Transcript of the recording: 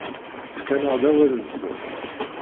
Fkan-aɣ-d awal-nsen.